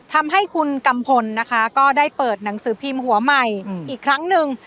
ทำให้คุณกัมพลนะคะก็ได้เปิดหนังสือพิมพ์หัวใหม่อีกครั้งหนึ่ง